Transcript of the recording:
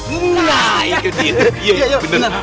nah itu dia beneran